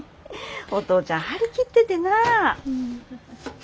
お父ちゃん張り切っててな。